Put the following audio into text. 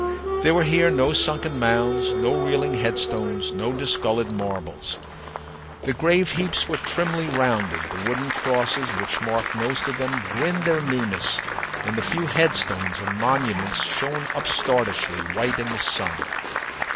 There were here no sunken mounds, no reeling headstones, no discolored marbles. The grave heaps were trimly rounded, the wooden crosses which marked most of them grinned their newness, and the few headstones and monuments shone upstartishly white in the sun.